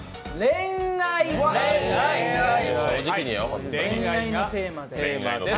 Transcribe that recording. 恋愛のテーマです。